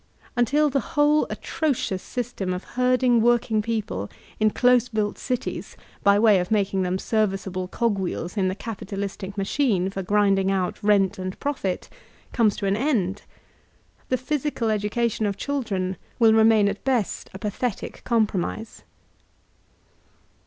Until the whole atrocious system of herding working people in dose built cities, by way of making them ser viceible cogwheels in the capitalistic machine for grind ing out rent and profit, comes to an end, the physical edu cation of children will remain at best a pathetic com promise.